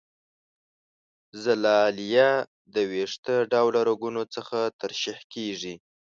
زلالیه د وېښته ډوله رګونو څخه ترشح کیږي.